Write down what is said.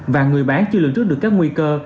và người bán chưa lưu trút được các nguy cơ